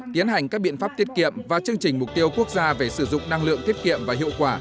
tiến hành các biện pháp tiết kiệm và chương trình mục tiêu quốc gia về sử dụng năng lượng tiết kiệm và hiệu quả